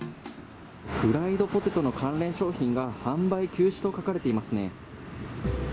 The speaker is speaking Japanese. フライドポテトの関連商品が販売休止と書かれていますね。